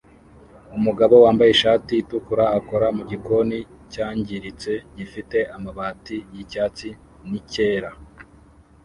Umugabo wambaye ishati itukura akora mugikoni cyangiritse gifite amabati yicyatsi nicyera